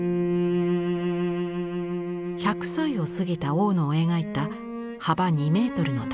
１００歳を過ぎた大野を描いた幅２メートルの大作。